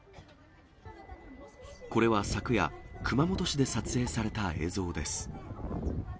これは昨夜、熊本市で撮影された映像です。